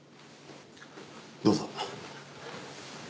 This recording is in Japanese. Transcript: どうぞ。